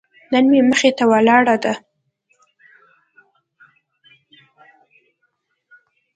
نن مې مخې ته ولاړه ده.